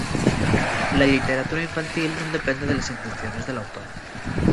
La lliteratura infantil nun depende de les intenciones del autor.